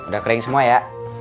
udah kering semua ya